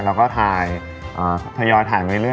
แล้วก็ถ่ายถยอถ่ายมาเรื่อย